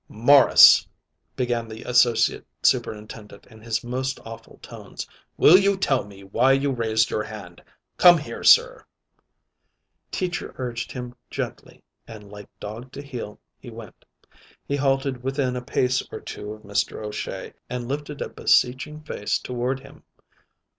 "Morris," began the Associate Superintendent in his most awful tones, "will you tell me why you raised your hand? Come here, sir." Teacher urged him gently, and like dog to heel, he went. He halted within a pace or two of Mr. O'Shea, and lifted a beseeching face toward him.